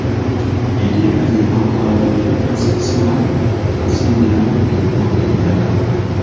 Enteekateeka mu bwangu ejja kugaziyizibwa okuzingiramu ebitundu ebirala.